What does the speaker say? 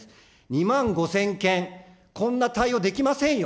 ２万５０００件、こんな対応できませんよ。